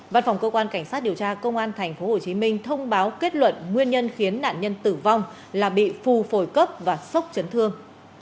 văn phòng cơ quan cảnh sát điều tra công an tp hcm thông báo kết luận nguyên nhân khiến nạn nhân tử vong là bị phù phổi cấp và sốc chấn thương